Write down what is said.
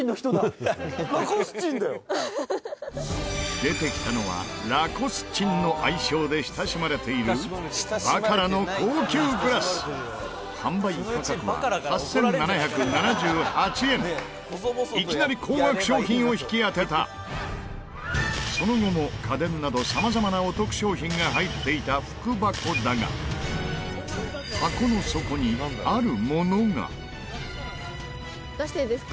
出てきたのは、ラコスチンの愛称で親しまれているバカラの高級グラス販売価格は８７７８円いきなり高額商品を引き当てたその後も、家電など様々なお得商品が入っていた福箱だが箱の底にあるものが松本：「出していいですか？」